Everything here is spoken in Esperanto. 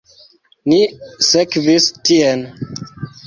Ni sekvis tien.